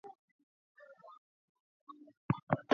Aliamua kuboresha maisha yake